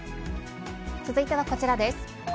続いてはこちらです。